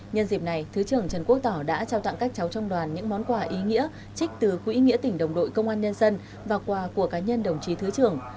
nhân dịp này thứ trưởng trần quốc tỏ đã trao tặng các cháu trong đoàn những món quà ý nghĩa trích từ quỹ nghĩa tỉnh đồng đội công an nhân dân và quà của cá nhân đồng chí thứ trưởng